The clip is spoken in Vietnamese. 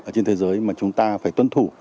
trên thế giới mà chúng ta phải tuân thủ